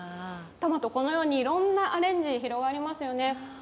トマト、このようにいろんなアレンジ、広がりますよね。